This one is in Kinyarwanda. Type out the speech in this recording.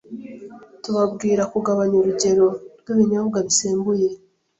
Tubabwira kugabanya urugero rw'ibinyobwa bisembuye